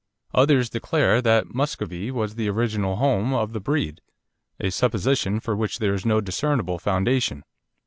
Others declare that Muscovy was the original home of the breed, a supposition for which there is no discernible foundation.